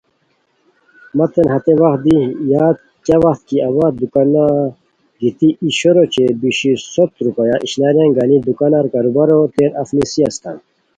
متین ہتے وخت دی یاد کیہ وت کی اوا دوکانہ گیتی ای شور اوچے بیشیر سوت روپیا اشناریان گانی دوکانار کاروباروتین اف نیسی اسیتام